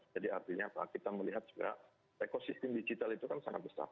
jadi artinya pak kita melihat juga ekosistem digital itu kan sangat besar